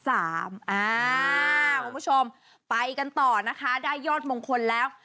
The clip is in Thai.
คุณผู้ชมไปกันต่อนะคะได้ยอดมงคลแล้ว